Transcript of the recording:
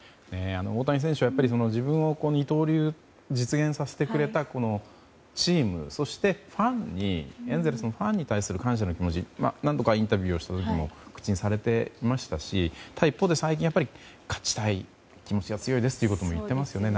大谷選手は自分の二刀流を実現させてくれたチーム、エンゼルスのファンに対する感謝の気持ちを何度かインタビューをした時も口にされていましたしただ一方で最近勝ちたい気持ちが強いですということも言っていますよね。